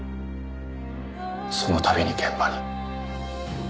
その度に現場に。